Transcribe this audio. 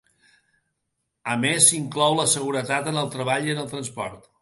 A més s'inclou la seguretat en el treball i en el transport.